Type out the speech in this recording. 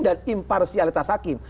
dan imparsialitas hakim